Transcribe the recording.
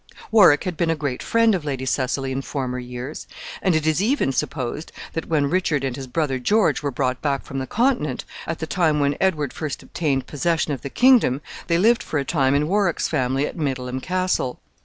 Warwick had been a great friend of Lady Cecily in former years, and it is even supposed that when Richard and his brother George were brought back from the Continent, at the time when Edward first obtained possession of the kingdom, they lived for a time in Warwick's family at Middleham Castle.